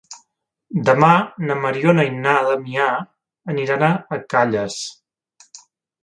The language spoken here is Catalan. Demà na Mariona i na Damià aniran a Calles.